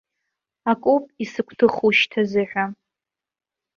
Акоуп исыгәҭыхоу шьҭазыҳәа.